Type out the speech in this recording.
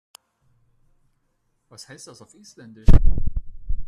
Was heißt das auf Isländisch?